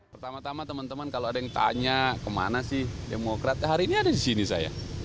pertama tama teman teman kalau ada yang tanya kemana sih demokrat hari ini ada di sini saya